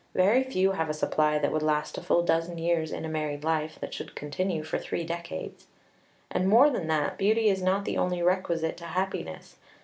_ Very few have a supply that would last a full dozen years in a married life that should continue for three decades. And, more than that, beauty is not the only requisite to happiness.